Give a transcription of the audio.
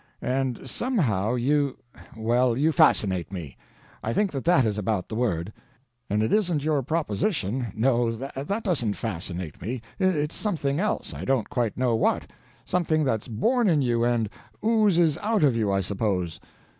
And somehow you well, you fascinate me; I think that that is about the word. And it isn't your proposition no, that doesn't fascinate me; it's something else, I don't quite know what; something that's born in you and oozes out of you, I suppose.